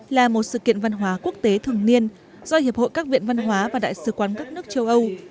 là một sự kiện văn hóa quốc tế thường niên do hiệp hội các viện văn hóa và đại sứ quán các nước châu âu